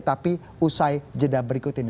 tapi usai jeda berikut ini